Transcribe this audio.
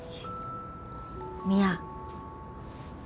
宮。